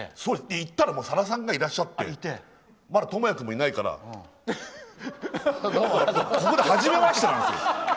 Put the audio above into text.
行ったらさださんがいらっしゃって倫也君もいないからそこで、はじめましてなんですよ。